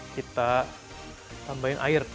kita tambahin air